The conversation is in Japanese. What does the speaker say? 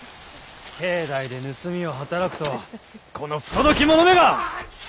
境内で盗みを働くとはこの不届き者めが！